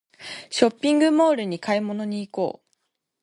ショッピングモールに買い物に行こう